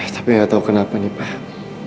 tapi gak tau kenapa nih pak